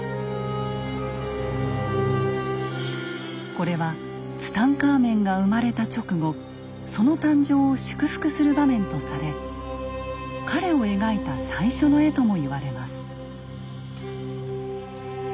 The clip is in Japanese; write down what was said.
これはツタンカーメンが生まれた直後その誕生を祝福する場面とされ彼を描いた最初の絵とも言われます。